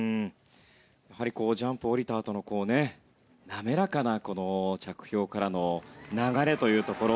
やはりジャンプを降りたあとの滑らかな着氷からの流れというところ。